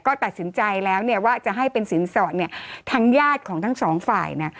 ก็ตัดสินใจแล้วเนี่ยว่าจะให้เป็นสินสอดเนี่ยทางญาติของทั้งสองฝ่ายเนี่ย